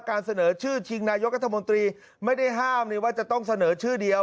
การเสนอชื่อชิงนายกรัฐมนตรีไม่ได้ห้ามว่าจะต้องเสนอชื่อเดียว